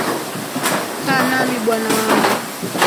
Kaa nami bwana wangu.